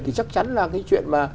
thì chắc chắn là cái chuyện mà